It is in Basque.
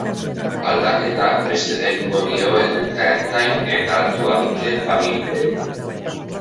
Aldaketak mesede egingo dio errenta ertain eta altua duten familiei.